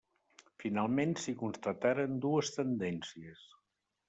Finalment s'hi constataren dues tendències.